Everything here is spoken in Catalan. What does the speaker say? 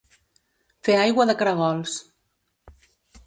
Fer aigua de caragols.